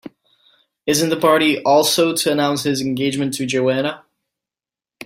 Isn't the party also to announce his engagement to Joanna?